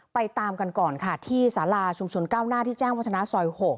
ตามกันก่อนค่ะที่สาราชุมชนก้าวหน้าที่แจ้งวัฒนาซอย๖